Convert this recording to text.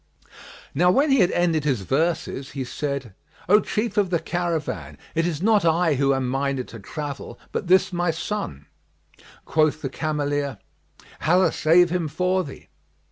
'"[FN#42] Now when he had ended his verses, he said, "O chief of the caravan, it is not I who am minded to travel, but this my son." Quoth the cameleer, "Allah save him for thee."